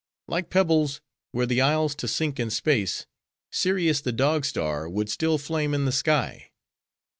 Like pebbles, were the isles to sink in space, Sirius, the Dog star, would still flame in the sky.